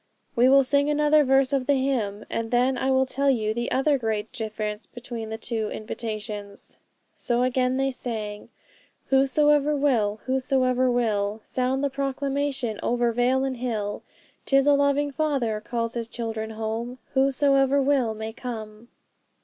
'We will sing another verse of the hymn, and then I will tell you the other great difference between the two invitations.' So again they sang 'Whosoever will, whosoever will; Sound the proclamation over vale and hill; 'Tis a loving Father calls His children home; Whosoever will may come!'